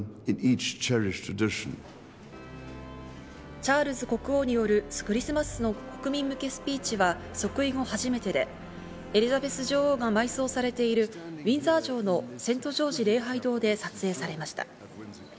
チャールズ国王によるクリスマスの国民向けスピーチは即位後初めてで、エリザベス女王が埋葬されているウィンザー城のセント・ジョージ礼拝堂で撮影されました。